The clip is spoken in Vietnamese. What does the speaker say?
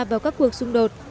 vào các cuộc xung đột